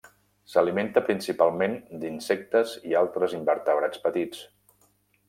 S'alimenta principalment d'insectes i altres invertebrats petits.